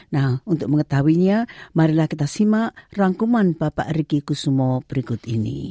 nah untuk mengetahuinya marilah kita simak rangkuman bapak riki kusumo berikut ini